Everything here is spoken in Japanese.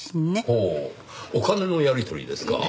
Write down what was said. ほうお金のやり取りですか。